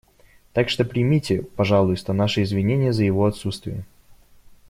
Так что примите, пожалуйста, наши извинения за его отсутствие.